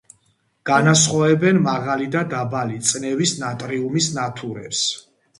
განასხვავებენ მაღალი და დაბალი წნევის ნატრიუმის ნათურებს.